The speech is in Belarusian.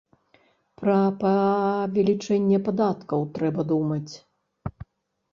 Пра павелічэнне падаткаў трэба думаць.